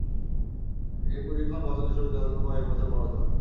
এ প্রশিক্ষণ বছরের শুরুতেই অথবা কয়েক বছর পর হতে পারে।